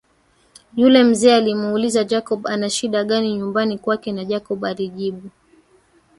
Yule mzee alimuuliza Jacob ana shida gani nyumbani kwake na Jacob alijibu